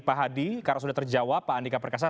pak hadi karena sudah terjawab pak andika perkasa